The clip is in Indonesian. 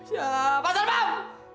ya pak sarpam